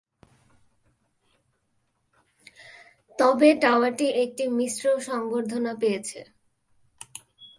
তবে টাওয়ারটি একটি মিশ্র সংবর্ধনা পেয়েছে।